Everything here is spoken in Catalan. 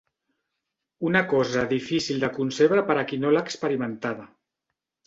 Una cosa difícil de concebre per a qui no l'ha experimentada